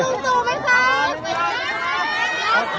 สวัสดีครับ